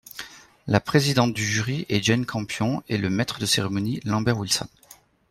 La présidente du jury est Jane Campion et le maître de cérémonie Lambert Wilson.